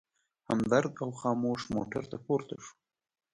همدرد او خاموش موټر ته پورته شوو.